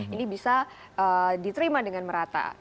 ini bisa diterima dengan merata